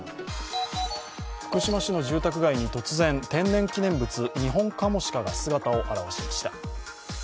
福島市の住宅街に突然、天然記念物、ニホンカモシカが姿を現しました。